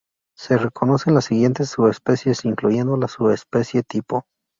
Se reconocen las siguientes subespecies, incluyendo la subespecie tipo.